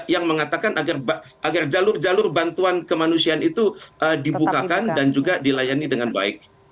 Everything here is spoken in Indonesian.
yang mengatakan agar jalur jalur bantuan kemanusiaan itu dibukakan dan juga dilayani dengan baik